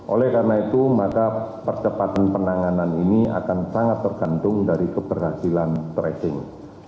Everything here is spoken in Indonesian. oleh karena itu maka percepatan penanganan ini akan sangat tergantung dari keberhasilan tracing